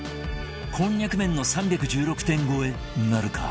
こんにゃく麺の３１６点超えなるか？